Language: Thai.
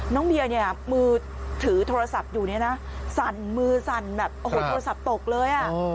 น้องเบียร์เนี่ยมือถือโทรศัพท์อยู่เนี่ยนะสั่นมือสั่นแบบโอ้โหโทรศัพท์ตกเลยอ่ะ